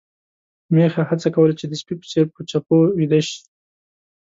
میښه هڅه کوله چې د سپي په څېر په چپو ويده شي.